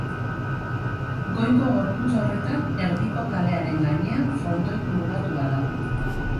Goiko gorputz horretan, erdiko kalearen gainean frontoi kurbatua dago.